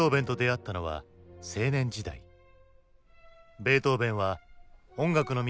ベートーヴェンは音楽の都